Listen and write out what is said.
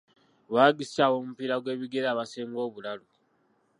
Bawagizi ki ab'omupiira gw'ebigere abasinga obulalu?